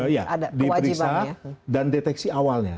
ya diperiksa dan deteksi awalnya